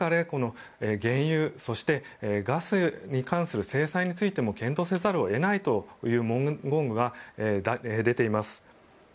この原油、そしてガスに関する制裁についても検討せざるを得ないという文言が出ています。